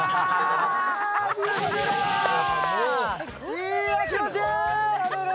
いや気持ちいい！